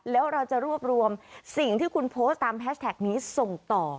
แล้วเราจะรวบรวมสิ่งที่คุณโพสต์ตามแฮชแท็กนี้ส่งต่อ